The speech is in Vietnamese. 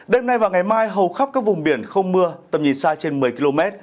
đêm nay và ngày mai hầu khắp các vùng biển không mưa tầm nhìn xa trên một mươi km